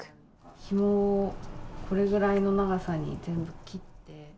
ひもをこれぐらいの長さに切って。